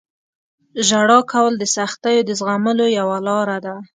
• ژړا کول د سختیو د زغملو یوه لاره ده.